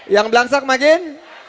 yang belangsak makin